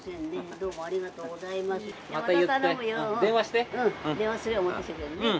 どうもありがとうございますよ